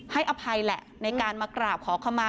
อภัยแหละในการมากราบขอขมา